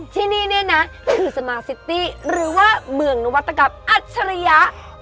ที่นี่นะคือสมาร์ทซิตี้หรือว่าเมืองนวัตกรรมอัชริยะ